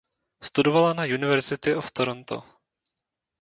Studovala na University of Toronto.